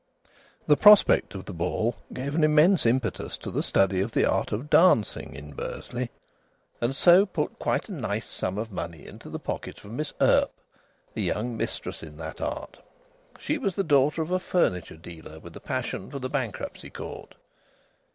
The prospect of the ball gave an immense impetus to the study of the art of dancing in Bursley, and so put quite a nice sum of money info the pocket of Miss Earp, a young mistress in that art. She was the daughter of a furniture dealer with a passion for the Bankruptcy Court.